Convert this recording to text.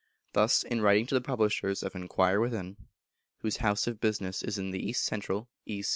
Thus in writing to the publishers of "Enquire Within," whose house of business is in the East Central (E.